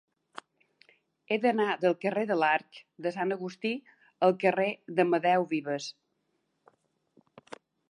He d'anar del carrer de l'Arc de Sant Agustí al carrer d'Amadeu Vives.